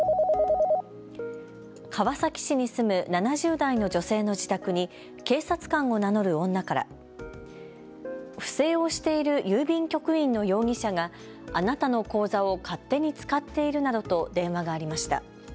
川崎市に住む７０代の女性の自宅に警察官を名乗る女から不正をしている郵便局員の容疑者があなたの口座を勝手に使っているなどと電話がありました。